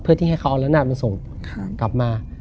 เพื่อที่ให้เขาเอาละนาดมันส่งกลับมา